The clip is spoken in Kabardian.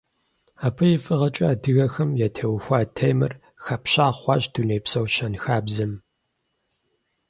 Абы и фӀыгъэкӀэ адыгэхэм ятеухуа темэр хэпща хъуащ дунейпсо щэнхабзэм.